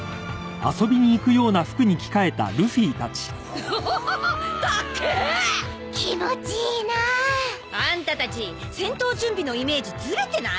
ウホホホホッ高ぇ気持ちいいなあアンタたち戦闘準備のイメージズレてない？